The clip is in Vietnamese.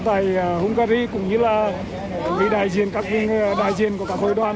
tại hungary cũng như là các đại diện của các hội đoàn ở hungary xin được thay mặt cho đoàn